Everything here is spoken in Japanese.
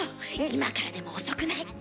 今からでも遅くない。